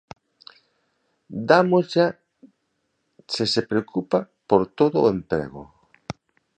Dámoslla se se preocupa por todo o emprego.